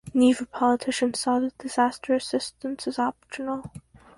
Neither politician saw the disaster assistance as optional.